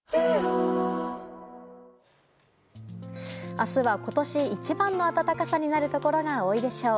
明日は今年一番の暖かさになるところが多いでしょう。